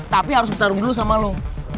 tapi harus bertarung dulu sama lo